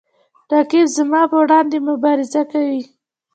رقیب زما په وړاندې مبارزه کوي